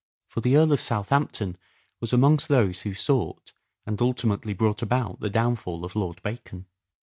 For the Earl of Southampton was amongst 394 "SHAKESPEARE" IDENTIFIED those who sought and ultimately brought about the downfall of Lord Bacon.